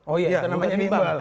oh iya itu namanya rival